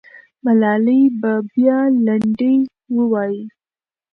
ملالۍ به بیا لنډۍ ووایي.